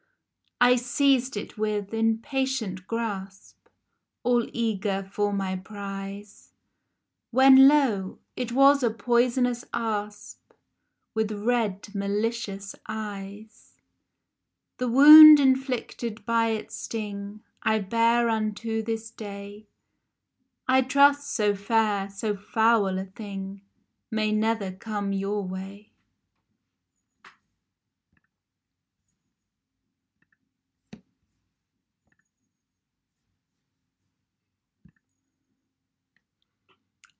I seized it, with impatient grasp, All eager for my prize, When, lo ! it was a poisonous asp With red malicious eyes ! The wound inflicted by its sting I bear unto this day ; I trust so fair, so foul a thing May never come your way